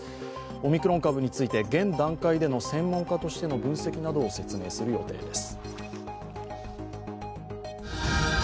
オミクロン株について現段階での専門家としての分析などを説明する予定です。